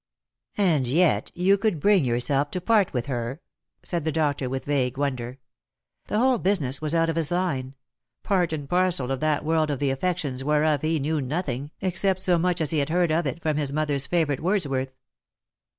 " And yet you could bring yourself to part with her ?" said the doctor, with vague wonder. The whole business was out of his line — part and parcel of that world of the affections whereof be knew nothing, except so much as he had heard of it from his mother's favourite Wordsworth.